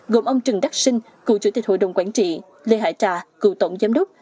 gồm ông trần đắc sinh cựu chủ tịch hội đồng quản trị lê hải trà cựu tổng giám đốc